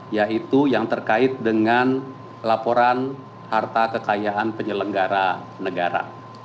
yaitu yang terkait dengan laporan harta kekayaan penyelenggara negara